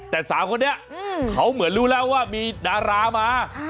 แต่สาวคนนี้เขาเหมือนรู้แล้วว่ามีดารามา